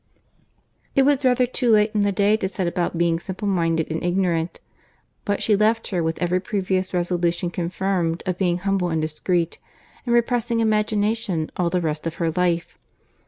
It was rather too late in the day to set about being simple minded and ignorant; but she left her with every previous resolution confirmed of being humble and discreet, and repressing imagination all the rest of her life.